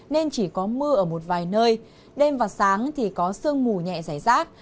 nên chỉ có mưa ở một vài nơi đêm và sáng thì có sương mù nhẹ giải rác